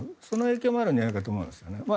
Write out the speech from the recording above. その影響もあるんじゃないかと思うんですよね。